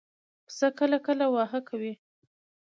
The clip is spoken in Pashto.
پسه کله کله واهه کوي.